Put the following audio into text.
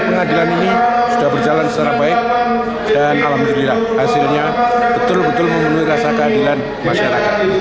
pengadilan ini sudah berjalan secara baik dan alhamdulillah hasilnya betul betul memenuhi rasa keadilan masyarakat